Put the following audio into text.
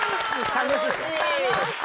楽しい。